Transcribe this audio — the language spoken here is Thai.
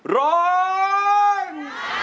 ร้อง